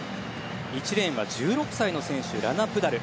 １レーンは１６歳の選手ラナ・プダル。